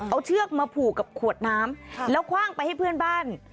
เอาเชือกมาผูกกับขวดน้ำแล้วคว่างไปให้เพื่อนบ้าน